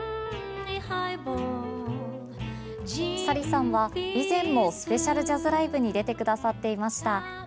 Ｓａｒｉさんは以前もスペシャルジャズライブに出てくださっていました。